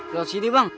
luar sini bang